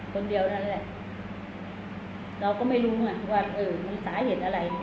คนเดียวนั่นแหละเราก็ไม่รู้ไงว่าเออมันสาเหตุอะไร